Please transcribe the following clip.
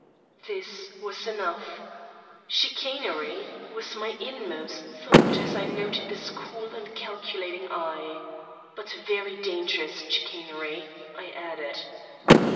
This was enough. "Chicanery!" was my inmost thought as I noted his cool and calculating eye. "But very dangerous chicanery," I added.